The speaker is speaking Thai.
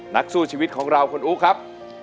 นักสู้ชีวิตของเราคุณอู๋ครับ